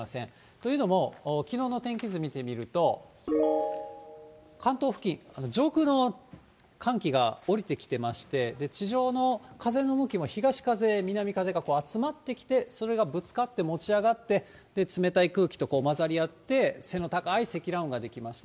というのも、きのうの天気図見てみると、関東付近、上空の寒気が下りてきてまして、地上の風の向きも東風、南風が集まってきて、それがぶつかって持ち上がって、冷たい空気と混ざり合って、背の高い積乱雲が出来ました。